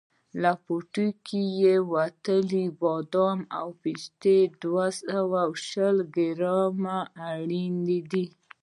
له پوټکي څخه وتلي بادام او پسته دوه سوه شل ګرامه اړین دي.